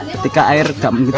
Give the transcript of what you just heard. ketika air gak begitu